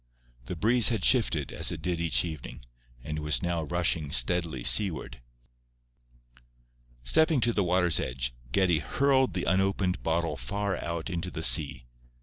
The breeze had shifted, as it did each evening, and was now rushing steadily seaward. Stepping to the water's edge, Geddie hurled the unopened bottle far out into the sea.